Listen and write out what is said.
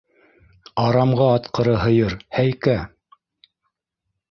Арамға атҡыры һыйыр, һәйкә!